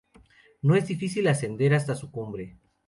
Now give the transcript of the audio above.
No es difícil ascender hasta su cumbre.